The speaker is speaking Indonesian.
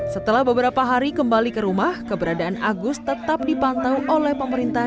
setelah beberapa hari kembali ke rumah keberadaan agus tetap dipantau oleh pemerintah